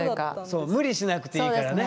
そう無理しなくていいからね！